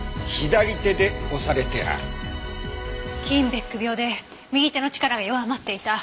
キーンベック病で右手の力が弱まっていた。